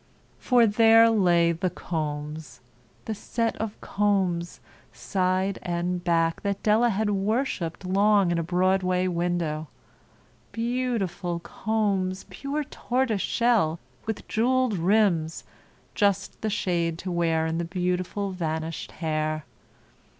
For there lay The Combs—the set of combs, side and back, that Della had worshipped long in a Broadway window. Beautiful combs, pure tortoise shell, with jewelled rims—just the shade to wear in the beautiful vanished hair.